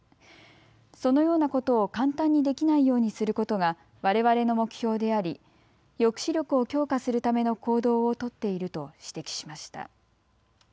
そのようなことを簡単にできないようにすることがわれわれの目標であり抑止力を強化するための行動を取っていると指摘しました。